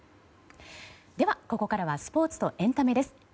ではここからはスポーツとエンタメです。